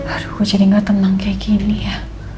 aduh gue jadi nggak tenang kayak gini ya